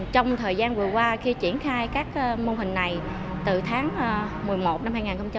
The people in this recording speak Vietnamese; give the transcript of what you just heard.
trong thời gian vừa qua khi triển khai các mô hình này từ tháng một mươi một năm hai nghìn một mươi tám